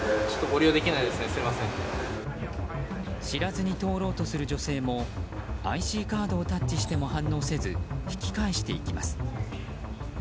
知らずに通ろうとする女性もＩＣカードをタッチしても反応せず、引き返していきます。